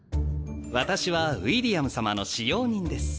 私はウィリアム様の使用人です。